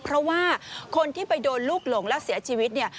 เพราะว่าคนที่ไปโดนลูกหลงแล้วเสียชีวิตเนี่ย